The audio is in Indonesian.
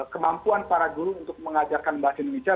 kemampuan para guru untuk mengajarkan bahasa indonesia